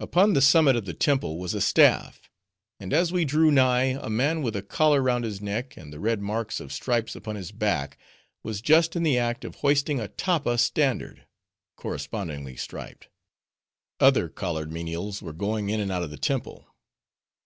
Upon the summit of the temple was a staff; and as we drew nigh, a man with a collar round his neck, and the red marks of stripes upon his back, was just in the act of hoisting a tappa standard— correspondingly striped. Other collared menials were going in and out of the temple.